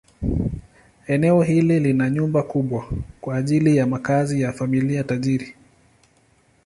Eneo hili lina nyumba kubwa kwa ajili ya makazi ya familia tajiri.